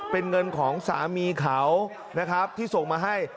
เป็นเงินของสามีเขานะครับที่ส่งมาให้